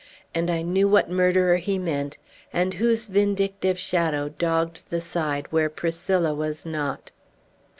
and I knew what murderer he meant, and whose vindictive shadow dogged the side where Priscilla was not.